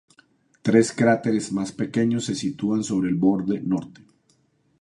Tres cráteres más pequeños se sitúan sobre el borde norte.